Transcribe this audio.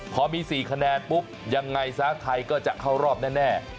พอมี๔คะแนนปุ๊บยังไงซะไทยก็จะเข้ารอบแน่